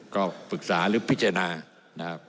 ก็ปรึกษาหรือพิจารณานะครับ